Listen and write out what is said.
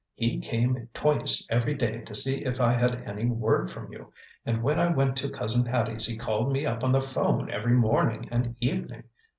"He came twice every day to see if I had any word from you; and when I went to Cousin Hattie's he called me up on the 'phone every morning and evening.